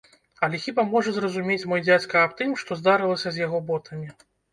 Але хіба можа зразумець мой дзядзька аб тым, што здарылася з яго ботамі?